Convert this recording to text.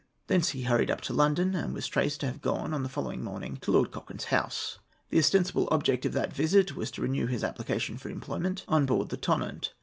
Thence he hurried up to London and was traced to have gone, on the following morning, to Lord Cochrane's house. The ostensible object of that visit was to renew his application for employment on board the Tonnant.